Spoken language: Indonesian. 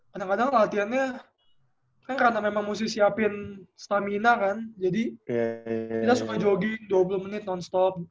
kadang kadang latihannya karena memang mesti siapin stamina kan jadi kita suka jogging dua puluh menit non stop